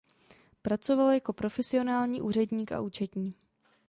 Pracoval jako profesionální úředník a účetní.